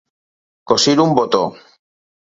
Cosir un botó.